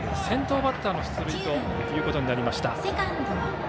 先頭バッターの出塁ということになりました。